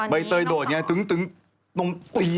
ใบเตยโดดอย่างนี้ตึงนมตี